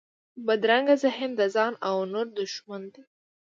بدرنګه ذهن د ځان او نورو دښمن دی